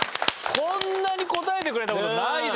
こんなに答えてくれた事ないですよ。